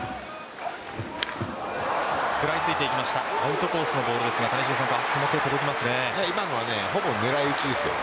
くらいついていきましたアウトコースのボールですが今のほぼ狙い打ちですよ。